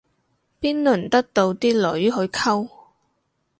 邊輪得到啲女去溝